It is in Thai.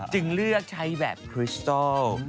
จึงเลือกใช้แบบคริสโต้